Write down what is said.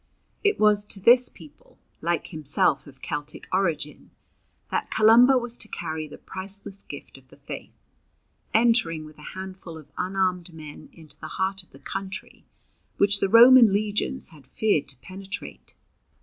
It was to this people, like himself of Celtic origin, that Columba was to carry the priceless gift of the faith, entering with a handful of unarmed men into the heart of the country which the Roman legions had feared to penetrate.